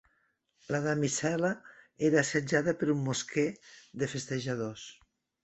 La damisel·la era assetjada per un mosquer de festejadors.